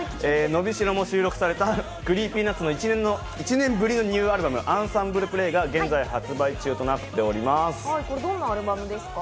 『のびしろ』も収録されたＣｒｅｅｐｙＮｕｔｓの１年ぶりのニューアルバム『アンサンブル・プレイ』が現在発売中となっております。